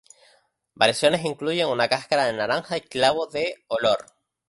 Variaciones incluyen una cáscara de naranja y clavo de olor.